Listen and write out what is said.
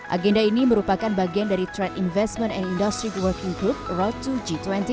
agenda ini merupakan bagian dari trade investment and industry working group road to g dua puluh